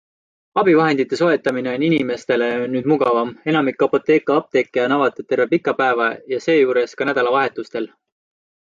Abivahendite soetamine on inimestele nüüd mugavam - enamik Apotheka apteeke on avatud terve pika päeva ja seejuures ka nädalavahetustel.